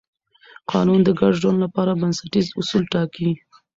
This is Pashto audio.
قانون د ګډ ژوند لپاره بنسټیز اصول ټاکي.